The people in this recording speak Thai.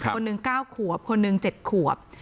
คนหนึ่ง๙ขวบคนหนึ่ง๗ขวบ